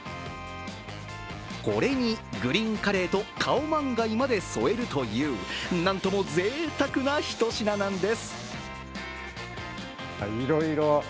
これにグリーンカレーとカオマンガイまで添えるというなんともぜいたくなひと品なんです。